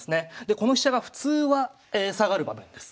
この飛車が普通は下がる場面です。